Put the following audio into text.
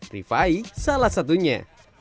rifai salah satunya